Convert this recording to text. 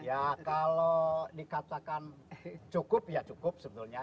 ya kalau dikatakan cukup ya cukup sebetulnya